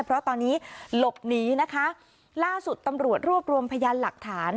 เพราะตอนนี้หลบหนีนะคะล่าสุดตำรวจรวบรวมพยานหลักฐาน